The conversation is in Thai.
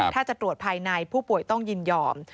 ถ้าจะตรวจภายในผู้ป่วยต้องยินยอม